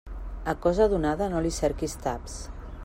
A cosa donada no li cerquis taps.